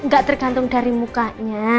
ga tergantung dari mukanya